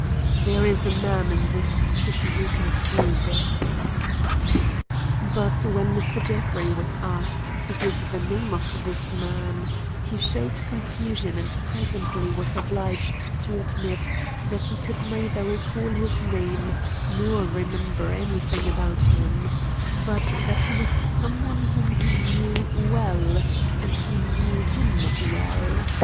There is a man in this city who can prove it." But when Mr. Jeffrey was asked to give the name of this man, he showed confusion and presently was obliged to admit that he could neither recall his name nor remember anything about him, but that he was some one whom he knew well, and who knew him well.